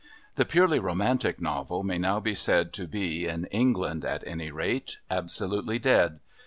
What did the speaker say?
The purely romantic novel may now be said to be, in England at any rate, absolutely dead.